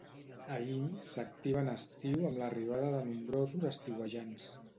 Aín s'activa en estiu amb l'arribada de nombrosos estiuejants.